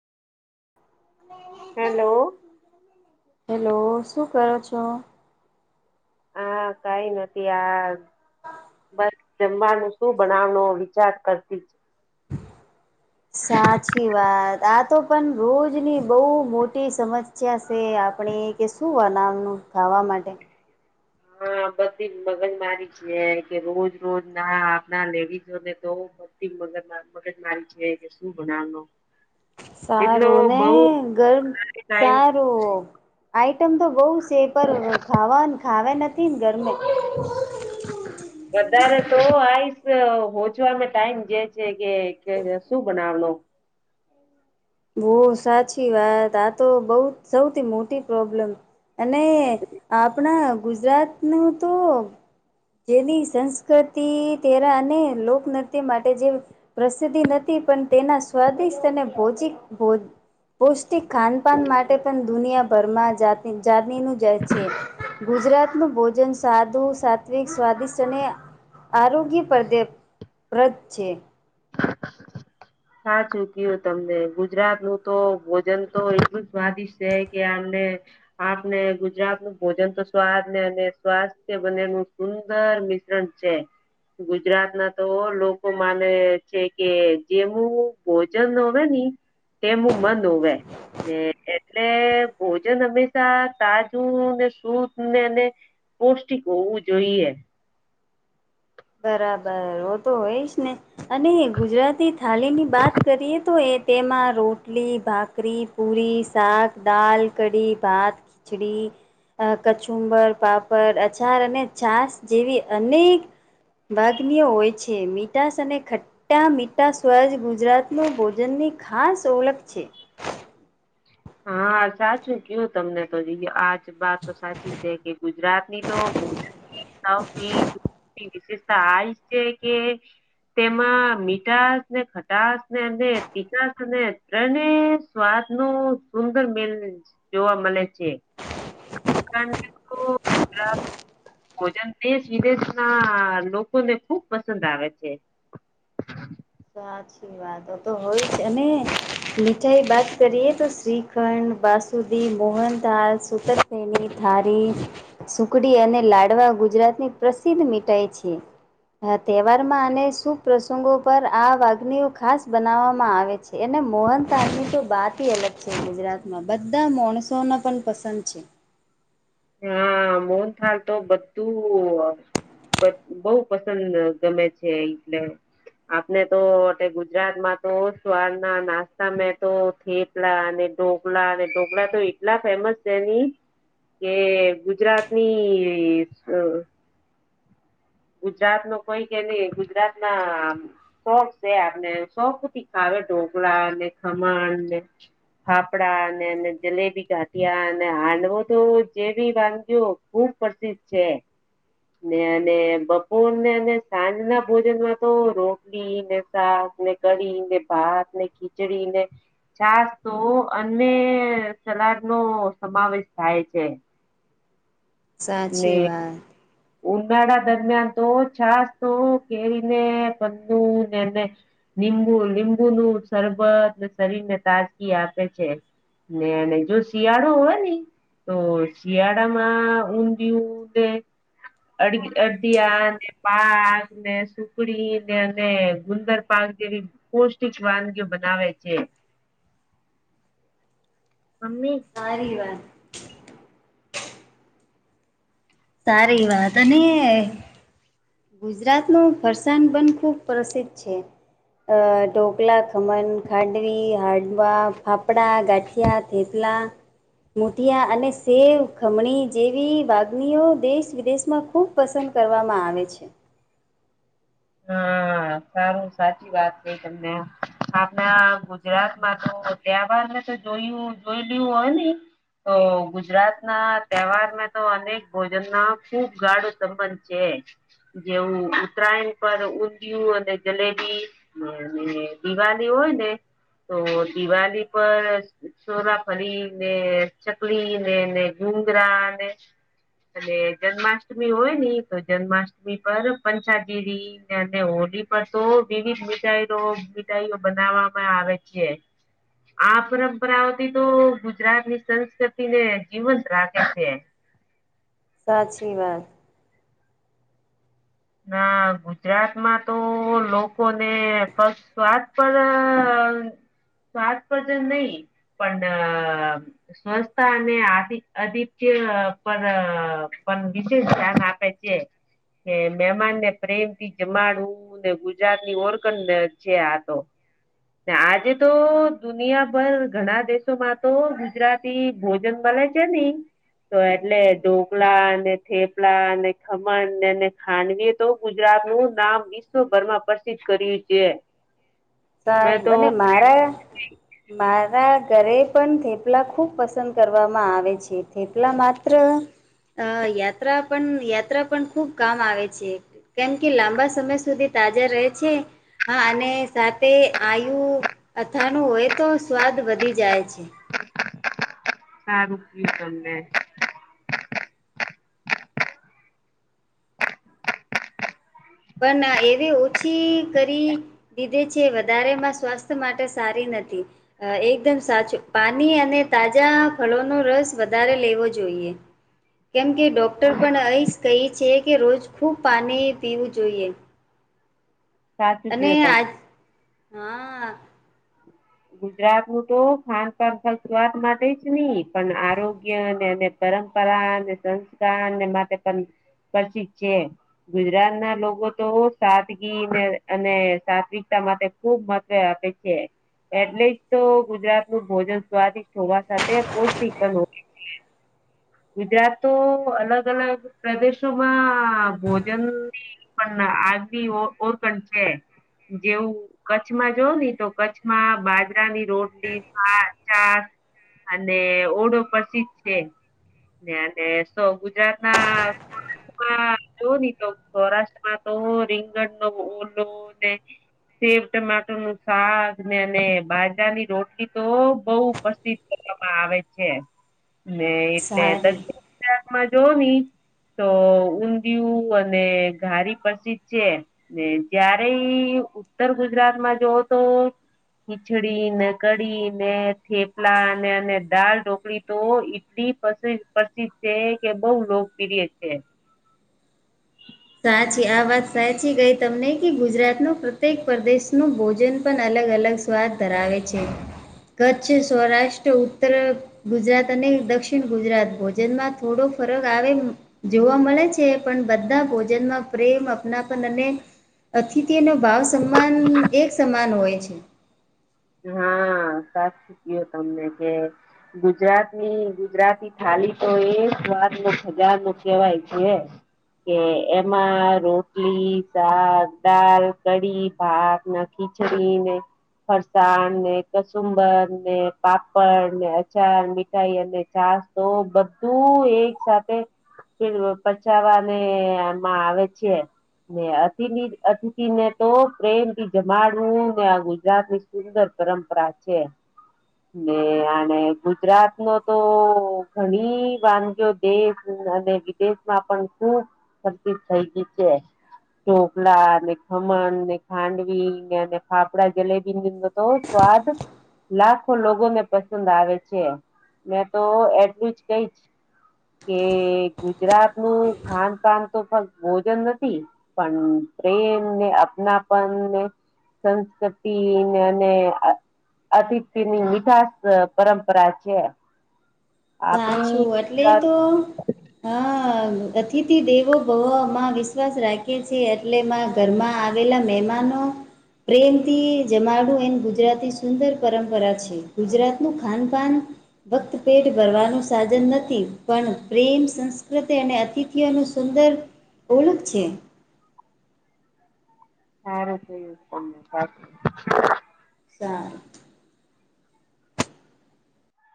[inaudible] Hello hello શું કરો છો હા કઈ નથી આ બસ તેમવા ન શું બનાવનો વિચાર કરતી સાચી વાત આ તો પણ રોજની બહુ મોટી સમજ ચછાશે આપણે કે શું વા નામનું ખાવા માટે હા બધી મગજ મારી છ કે રોજ રોજ ના આપણા લેડીઝોને તો મગ મગજ મારી છે કે શું ભણાવવાનો સારું ને ગરમ ટાઈમ સારું આઈટમ તો બહુ છે પર ખાવા ખાવે નથી ને ગરમે [inaudible] વધારે તો આઈસ હોચવામે ટાઈમ જે છે કે શું બનાવનો બહ સાચી વાત આ તો બઉ સૌથી મોટી પ્રોબ્લેમ અને આપણા ગુજરાત નું તો જેની સંસ્કૃતિ તેરા અને લોકનૃત્ય માટે જે પ્રસિદ્ધિ નથી પણ તેના સ્વાદિષ્ટ અને ભોજિક પૌષ્ટિક ખાનપાન માટે પણ દુનિયાભરમાં જાનીનું જાય છે ગુજરાતનું ભોજન સાદું સાત્વિક સ્વાદિષ્ટ અને આરોગ્ય પદેપદ છે હા ચૂક્યું તમને ગુજરાત નું તો ભોજન તો એટલું સ્વાદિષ્ટ છે કે આમને આપને ગુજરાત નું ભોજન તો સ્વાદ ને અને સ્વાસ્થ્ય બને ન સુંદર મિ ગુજરાત ના તો લોકો માને છે કે જેમ હ ભોજન હોવે ને તેું મનોવે ને એટલે ભોજન હંમેશા તાજું ને શુદધ ને સ્પોસ્ટિક હોવું જોઈએ બરાબર ઓ તો હોય જ ને અને ગુજરાતી થાળીની વાત કરીએ તો એ તેમાં રોટલી ભાકરી પૂરી સાક દાલ કઢી ભાત ખિચડી કછુંબર પાપડ અચાર અને છાસ જેવી અનેક ભાગનીય હોય છે મીઠાસ અને ખટ ચટટા મીટા સ્વજ ગુજરાતનું ભોજનની ખાસ ઓળખ છે હા સાચું કયું તમને તો આજ વાત તો સાચી છે કે ગુજરાત ની તો ભોજનની વિશેષતા આ છે કે તેમાં મીઠશ ને ખટાસ ને અને પીઠાસ ને અને સ્વાદ નો સુંદર મેિલ જોવા મળે છે [inaudible] ભોજન દેશ વિદેશ ના લોકોને ખુબ પસંદ આવે છે સાચી વાત હોય અને મીઠાાઈ વાત કરીએ તો શ્રીખંડસ સુધી મોહનદાલ સુકતબેની ધારી સુકડી અને લાડવા ગુજરાતની પ્રસિદ્ધ મીઠાઈ છે હ તહેવારમાં આને શું પ્રસંગો પર આ વાગણીઓ ખાસ બનાવવામાં આવે છે અને મોહનતાાલની તો બાત અલગ છે ગુજરાત બધા માણસોને પણ પસંદ છે હા મોન થાલ તો બધું બહુ પસંદ ગમે છે એટલે આપને તો એ ગુજરાતમાં તો સ્ર ના નાસ્તા મે તો લા અને ઢોકળ અને ઢોકળા તો એટલા ફેમસ છે એની કે ગુજરાતની ગુજરાત નું કોઈ કે નહી ગુજરાત ના શોખ છે આપને શોખ થી ખાવે ઢોકળા ને ખમણ ને ફાફડા જલેબી ગાઠિયા અને હાંડવો તો જે ભી વાંધો ખુબ પ્રસિદ્ધ છે. ને અને બપોર ને અને સાંજ ના ભોજન માં તો રોટલીને શાક ને કરીને ભાત ને ખીચડી ને ચાસ તો અને સલાદ નો સમાવેશ થાય છે. ને સાચી વાત. ઉનાળા દરમિયાન તો છાસ તો કેરીને પનેને લીંબુ લીંબુ નું શરબતને શરીર ને તાજગી આપે છે. ન નઈ જો શિયાળો હોય ને તો શિયાળામાં ઊંધિયું ને અ અડદિયા ને પાક ને સુખડી ને ગુંદર પાક જેવી પૌષ્ટિક વાનગ્ય બનાવે છે. મમ્મી આ રવા સારી વાત અને ગુજરાતનું ફરસાણ બંધ ખૂબ પ્રસિદ્ધ છે. અ ઢોકલા ખમણ ખાડવી હડવા ફાફડાડા ગાઠિયા થેતલા મુઠિયા અને સેવ ખમણી જેવી વાગણીઓ દેશ વિદેશમાં ખૂબ પસંદ કરવામાં આવે છે. હા સારું સાચી વાત કઈ તમને આપણા ગુજરાતમાં તો ત્યાંબદને તો જોયું જોઈ લું હોય ને તો ગુજરાત ના તહેવાર તો અનેક ભોજન ના ખુબ ગાડું સંબંધ જે જેવું ઉત્તરાયણ ર ઊંધિયું અને જલેબી અને દિવાળી હોય ને તો દિવાળી પર છોરા ફરી ને ચકલી ને ડુંગરા અને અને જન્માષ્ટમી હોય ની તો જન્માષ્ટમી પર પંચાગરી હોળ પર તો વિવિધ મીઠાઈ મીઠાઈઓ બનાવામાં આવે છે. આ પરંપરાઓથી તો ગુજરાત ની સંસ્કૃતિને જીવંત રાખે છે. સાચી વાત. ના ગુજરાત માં તો લોકો ને ફ સ્વાદ પણ સ્વાદ પજન નહી પણ સ્વોચતા અને આ આધિત્ય પર પણ વિશેષ ધ્યાન આપે છે. હમ. મહેમાનને પ્રેમ થી જમાડવું ને ગુજરાત ની ઓરકનને છે,, આ તો આજે તો દુનિયાભર ઘણા દેશોમાં તો ગુજરાતી ભોજન મળ છે, નહી તો એટલે દો લા થેપલા ખમણ ખાંડવી તો ગુજરાત નું નામ વિશ્વભર માં પ્રસિદ્ધ કર્યું છે. સાર મેં તો અને મારા મારા ઘરે પણ થેપલા ખૂબ પસંદ કરવામાં આવે છે. એટલા માત્ર અ યાત્રા પણ યાત્રા પણ ખુબ કામ આવે છે. કેમ કે લાંબા સમય સુધી તાજા રહે છે, હા અને સાથે આયુ અથાણું હોય તો સ્વાદ વધી જાય છે. હારું પણ એવી ઓછી કરી દીધે છે, વધારે માં સ્વાસ્થ્ય માટે સારી નથી અ એકદમ સાચું પાની અને તાજા ફડોને રસ વધારે લેવો જોઈએ કેમ કે ડોક્ટર પણ અહી કહી છે, કે રોજ ખૂબ પાણી પીવું જોઈએ સાચું અને કયું તમે. આજ હા ગુજરાત નું તો ખાન પાાન સ્વાત માટે જ નહી પણ આરોગ્ય એ પરંપરા અને સંસ્કારને માટે પણ પ્રસિદ્ધ છે ગુજરાત ના લોકો તો સાદગીને અને સાત્વિકતા માટે ખૂબ મહત્ત્વ અપેક્ષ એટલે જ તો ગુજરાત નું ભોજન સ્વાદિષ્ટ હોવા સાથે પૌષ્ટિક પણ હો ગુજરાત તો અલગ અલગ પ્રદેશોમાં ભોજન પણ આગી ઓરકણ છે જેવું કચ્છમાં જો ને તો કચ્છમાં બાજરા ની રોટલી હાર ચાર અને ઓડો પ્રસિદ્ધ છે નેલે સો ગુજરાત ના જો નહી તો સૌરાષ્ટ્રમાં તો રીંગણ નો ઓલો ને સેબ ટમાટર નું સાગ અને બાજરાની રોટલી તો બહ પ્રસિદ્ધ કરવામાં આવે છે ને એટલે સારી દક્ષિણ ગુજરાતમાં જોવ ની તો ઊંધિય અને ઘારી પ્રસિધ છે ને જ્યારે ઉત્તર ગુજરાતમાં જોવ તો ખીચડી ને કઢી ને થેપલા ને અને દળ ઢોકળી તો ઈટલી પ્રસિદ્ધ છે કે બહુ લોકપ્રિય છે સાચી આ વાત સાચી ગઈ તમને કે ગુજરાત ન પ્રત્યેક પ્રદેશનુંું ભોજન પણ અલગ અલગ સ્વાદ ધરાવે છે કચ્છ સૌરાષ્ટ્ર ઉત્તર ગુજરાત અને દક્ષિણ ગુજરાત ભોજનમાં થોડો ફરક આવે જોવા મળે છે પણ બધા ભોજનમાં પ્રેમ અપનાપન અને અતિથિનો ભાવ સમાન એક સમાન હોય છે હા સાચી કું તમને કે ગુજરાતની ગુજરાતી થાલી તો એ સ્વાદ નો ખજા નું કેહેવાય છે કે એમાં રોટલી શાક દાલ કઢી ભાત નાખ ખીચરીને ને કસુંબર ને પાપડ ને અચાર મીઠાઈ અને ચાસ તો બધું એક સાથે પચવાને આમાં આવે છે ને અ અતિથિ ને તો પ્રેમ થી જમાડવું ને આ ગુજરાત ની સુંદર પરંપરા છે ને અને ગુજરાત નો તો ઘણી વાનગઓ દેશ અને વિદેશમાં પણ ખુબ ખર્ચ થઈ ગય છે ચોપલા ને ખમણ ને ખાંડવી ફાફડા જલેબી તો સ્વાદ લાખો લોકો ને પસંદ આવે છે મેં તો એટલું જ કઈ જ કે ગુજરાત નું ખાન પાાન તો ફક્ત ભોજન નથી પણ પ્રેમ ને અનાપનને સંસ્કૃતિ અને અતિથ્ય ની મીઠાસ પરંપરા છે આપણી સાચું એટલે વાત તો હ અતિથી દેવો ભ માં વિશ્વાસ રાખે છે એટલેમાં ઘરમાં આવેલા મહેમાનો પ્રેમથી જમાડું એમ ગુજરાતી સુંદર પરંપરા છે ગુજરાતનુંું ખાનપાન વક્ત પેટ કરવાનું સાધન નથી પણ પ્રેમ સંસ્કૃતિ અને અતિથિઓનું સુંદર ઓવ લખ છે હ રતે સાાય